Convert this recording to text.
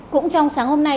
cũng trong sáng hôm nay